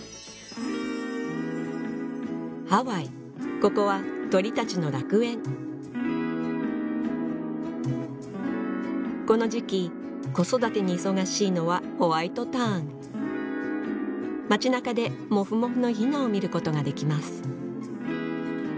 ここは鳥たちの楽園この時期子育てに忙しいのはホワイトターン街なかでモフモフの雛を見ることができます